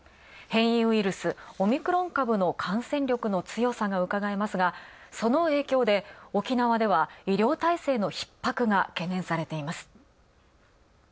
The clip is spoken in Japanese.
変異ウイルス、オミクロン株の感染力の強さがうかがえますが、その影響で、沖縄では医療体制の逼迫が懸念されています。